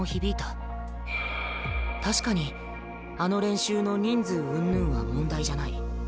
確かにあの練習の人数うんぬんは問題じゃない。